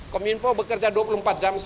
kom info bekerja dua puluh empat jam sehari